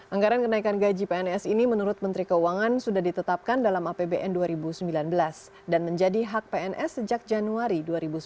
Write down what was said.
anggaran kenaikan gaji pns ini menurut menteri keuangan sudah ditetapkan dalam apbn dua ribu sembilan belas dan menjadi hak pns sejak januari dua ribu sembilan belas